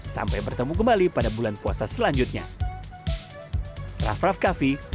sampai bertemu kembali pada bulan puasa selanjutnya